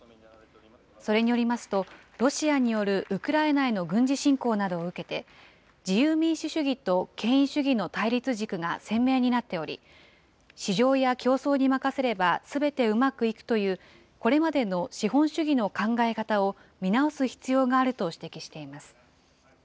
それによりますと、ロシアによるウクライナへの軍事侵攻などを受けて、自由・民主主義と権威主義の対立軸が鮮明になっており、市場や競争に任せれば、すべてうまくいくというこれまでの資本主義の考え方を見直す必要があると指摘しています。